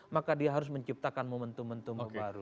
maka dia harus menciptakan momentum momentum baru